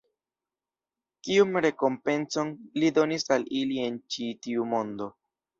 Kiun rekompencon Li donis al ili en ĉi tiu mondo?